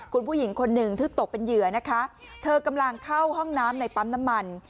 คุณผู้หญิงคนหนึ่งที่ตกเป็นเหยื่อนะคะเธอกำลังเข้าห้องน้ำในปั๊มน้ำมัน